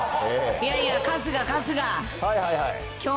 いやいや、春日、春日。